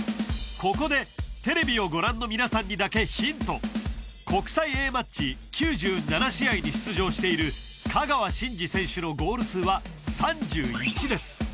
ここでテレビをご覧の皆さんにだけヒント国際Ａマッチ９７試合に出場している香川真司選手のゴール数は３１です